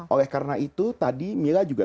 oleh karena itu tadi mila juga